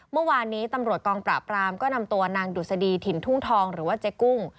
เมื่อวานนี้ตำรวจกองปราบรามก็นำตัวนางดุษฎีถิ่นทุ่งทองหรือว่าเจ๊กุ้ง